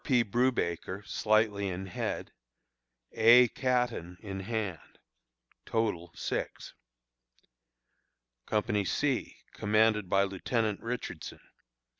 P. Brewbaker, slightly in head; A. Caton, in hand. Total, 6. Company C, commanded by Lieutenant Richardson.